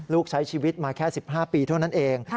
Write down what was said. ใช้ชีวิตมาแค่๑๕ปีเท่านั้นเอง